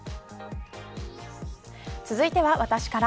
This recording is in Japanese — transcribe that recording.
続いては私から。